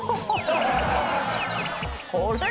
これ！